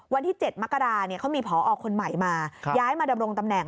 วันที่๗มกราเขามีผอคนใหม่มาย้ายมาดำรงตำแหน่ง